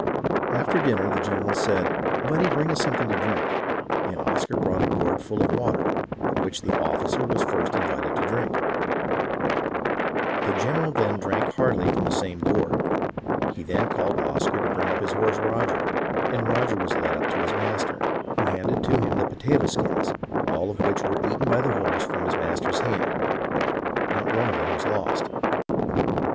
"After dinner the general said, 'Budde, bring us some thing to drink,' and Oscar brought a gourd full of water, of which the officer was first invited to drink ; the general then drank heartily from the same gourd. He then called Oscar to bring up his horse Roger, and Roger was led up to his master, who handed to him the potato skins, all of which were eaten by the horse from his master's hand — not one of them was lost.